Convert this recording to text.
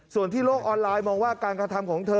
ส่วนที่โลกออนไลน์มองว่าการกระทำของเธอ